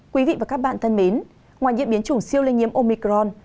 quý vị và các bạn thân mến ngoài diễn biến chủng siêu lây nhiễm omicron